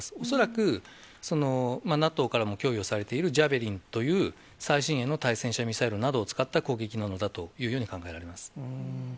恐らく、ＮＡＴＯからも供与されている、ジャベリンという、最新鋭の対戦車ミサイルなどを使った攻撃なのだというふうに考えられます。